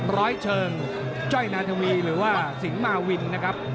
ร้อยเชิงจ้อยนาธวีหรือว่าสิงหมาวินนะครับ